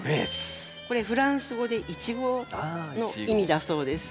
これフランス語でイチゴの意味だそうです。